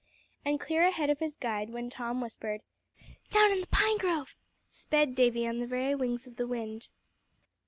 And clear ahead of his guide when Tom whispered, "Down in the pine grove," sped Davie on the very wings of the wind.